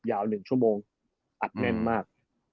ยาว๑ชั่วโมงอัดแน่นมาก